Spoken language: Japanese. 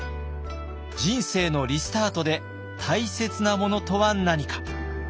人生のリスタートで大切なものとは何か。